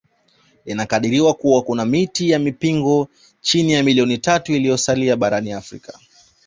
Inakadiriwa kuwa kuna miti ya mpingo chini ya milioni tatu iliyosalia barani Afrika